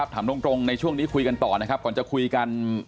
ถามตรงในช่วงนี้คุยกันต่อนะครับก่อนจะคุยกัน